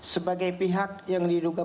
sebagai pihak yang diduga